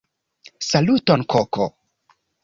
Saluton koko!